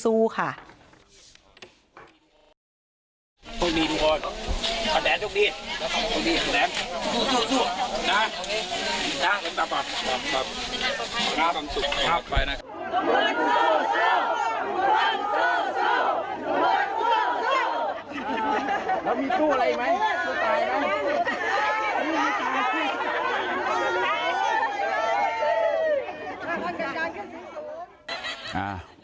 ถูกต้องครับ